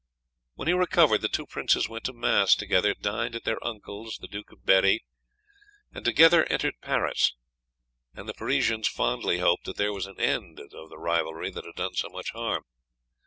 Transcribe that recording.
When he recovered, the two princes went to mass together, dined at their uncle's, the Duke of Berri, and together entered Paris; and the Parisians fondly hoped that there was an end of the rivalry that had done so much harm.